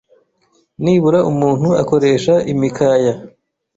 nibura umuntu akoresha imikaya